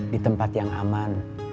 di tempat yang aman